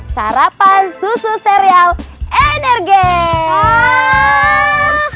sarapan susu serial energetik